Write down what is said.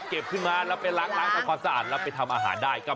เก็บขึ้นมาแล้วไปล้างซาขวัดสั่นแล้วไปทำอาหารได้ล้าน